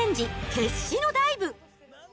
決死のダイブ。